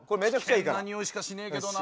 危険なにおいしかしねえけどな。